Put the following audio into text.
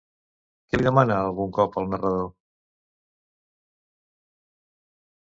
Què li demana algun cop el narrador?